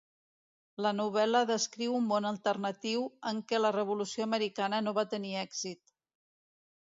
La novel·la descriu un món alternatiu en què la Revolució Americana no va tenir èxit.